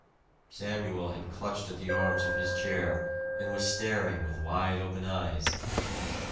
Samuel had clutched at the arms of his chair and was staring with wide open eyes.